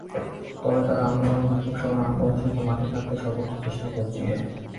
তবে তাঁরা আন্দোলন, বিক্ষোভসহ নানা কর্মসূচিতে মাঠে থাকতে সর্বোচ্চ চেষ্টা করেছেন।